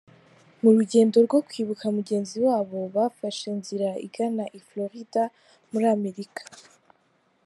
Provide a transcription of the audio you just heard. Mu rugendo rwo kwibuka mugenzi wabo, bafashe inzira igana i Florida -muri Amerika-.